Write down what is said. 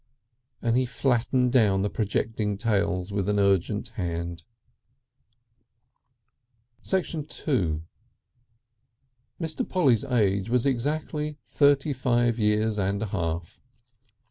and he flattened down the projecting tails with an urgent hand. II Mr. Polly's age was exactly thirty five years and a half.